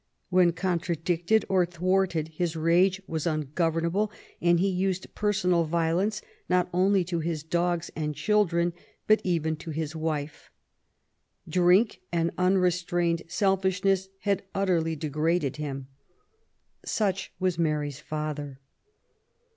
When contradicted or thwarted his rage was ungovernable^ and he used personal vio lence not only to his dogs and children, but even to his wife. Drink and unrestrained selfishness had utterly degraded him. Such was Mary's father.